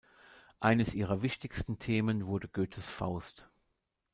Eines ihrer wichtigsten Themen wurde Goethes Faust.